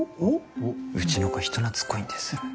うちの子人なつっこいんです。